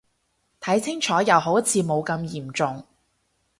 睇清楚又好似冇咁嚴重